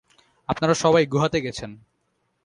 আপনারা সবাই গুহাতে গেছেন।